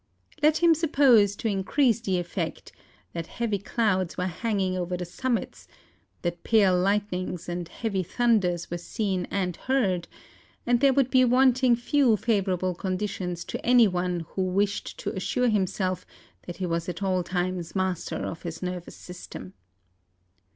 Let him sup¬ pose, to increase the effect, that heavy clouds were 162 MOUNTAIN ADVENTUKES. hanging over the summits, that pale lightnings and heavy thunders were seen and heard, and there would be wanting few favourable conditions to any one who wished to assure himself that he was at all times master of his nervous system.